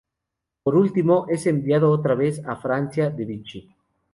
Por último, es enviado otra vez a Francia de Vichy.